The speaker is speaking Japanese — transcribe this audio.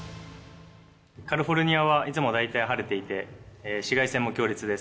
カリフォルニアはいつも大体晴れていて、紫外線も強烈です。